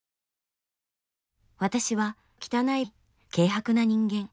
「私は汚い軽薄な人間。